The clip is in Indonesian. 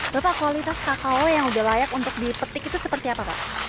bapak kualitas kakao yang udah layak untuk dipetik itu seperti apa pak